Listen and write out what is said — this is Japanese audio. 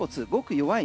弱い